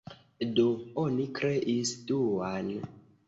Do, oni kreis duan.